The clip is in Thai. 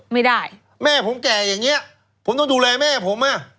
ไม่ได้แม่ผมแก่อย่างเงี้ยผมต้องดูแลแม่ผมอ่ะ